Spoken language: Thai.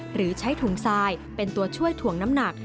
หรือใช้ถุงทรายเป็นตัวช่วยถ่วงน้ำหนัก